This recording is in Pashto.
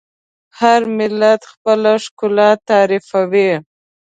هر ملت خپله ښکلا تعریفوي.